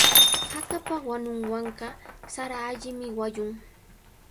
Hakapa wanunwanqa sara allimi wayun.